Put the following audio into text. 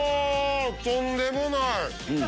とんでもない！